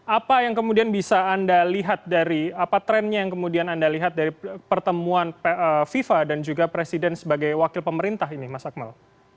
apa yang kemudian bisa anda lihat dari apa trennya yang kemudian anda lihat dari pertemuan fifa dan juga presiden sebagai wakil pemerintah ini mas akmal